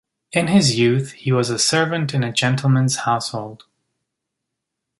In his youth he was a servant in a gentleman's household.